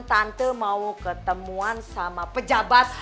tante mau ketemuan sama pejabat